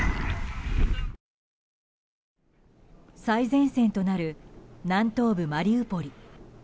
最前線となる南東部マリウポリ。